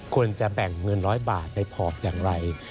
ควรจะแบ่งเงิน๑๐๐บาทในพอร์ตอย่างไร